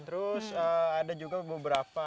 terus ada juga beberapa